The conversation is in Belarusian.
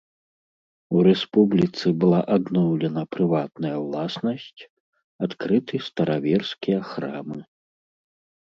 У рэспубліцы была адноўлена прыватная ўласнасць, адкрыты стараверскія храмы.